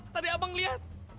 tadi abang lihat